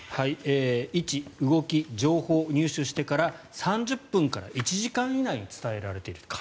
位置、動き、情報を入手してから３０分から１時間以内に伝えられている。